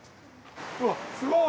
うわっすごい！